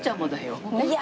いや。